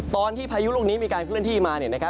ตอนที่พายุลุกนี้มีการเคลื่อนที่มา